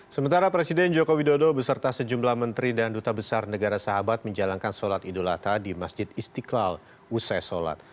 sementara presiden joko widodo beserta sejumlah menteri dan duta besar negara sahabat menjalankan sholat idul adha di masjid istiqlal usai sholat